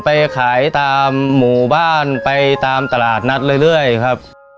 ไปขายตามหมู่บ้านไปตามตลาดนัดเรื่อยครับ